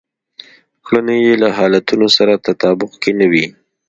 کړنې يې له حالتونو سره تطابق کې نه وي.